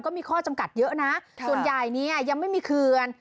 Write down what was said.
ก็มีข้อจำกัดเยอะนะส่วนใหญ่เนี่ยยังไม่มีเขื่อน